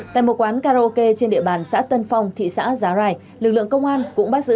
tại một quán karaoke trên địa bàn xã tân phong thị xã giá rai lực lượng công an cũng bắt giữ